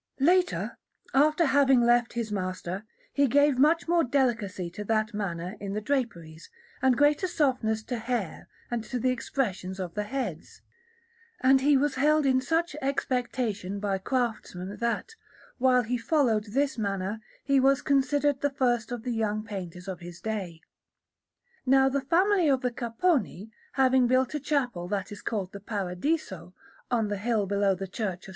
Later, after having left his master, he gave much more delicacy to that manner in the draperies, and greater softness to hair and to the expressions of the heads; and he was held in such expectation by craftsmen, that, while he followed this manner, he was considered the first of the young painters of his day. Now the family of the Capponi, having built a chapel that is called the Paradiso, on the hill below the Church of S.